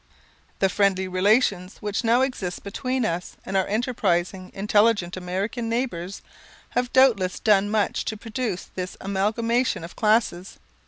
The friendly relations which now exist between us and our enterprising, intelligent American neighbours, have doubtless done much to produce this amalgamation of classes.